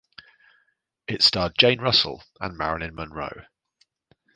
It starred Jane Russell and Marilyn Monroe.